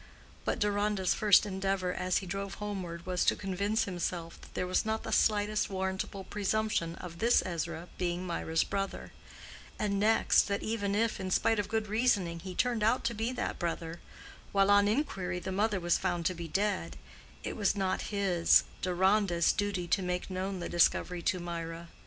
But Deronda's first endeavor as he drove homeward was to convince himself that there was not the slightest warrantable presumption of this Ezra being Mirah's brother; and next, that even if, in spite of good reasoning, he turned out to be that brother, while on inquiry the mother was found to be dead, it was not his—Deronda's—duty to make known the discovery to Mirah.